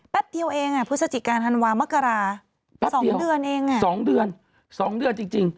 เดียวเองอ่ะพฤศจิกาธันวามกรา๒เดือนเองอ่ะ๒เดือน๒เดือนจริง